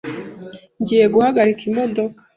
Ngiye guhagarika imodoka .